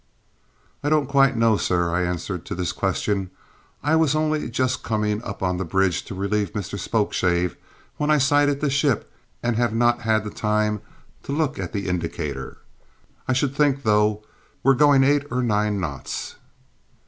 "I don't quite know, sir," I answered to this question. "I was only just coming up on the bridge to relieve Mr Spokeshave when I sighted the ship and have not had time to look at the indicator. I should think, though, we're going eight or nine knots."